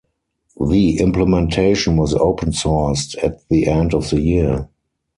The implementation was open-sourced at the end of the year.